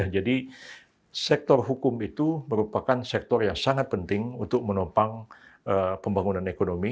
jadi sektor hukum itu merupakan sektor yang sangat penting untuk menopang pembangunan ekonomi